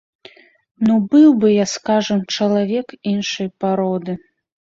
Ну, быў бы я, скажам, чалавек іншай пароды.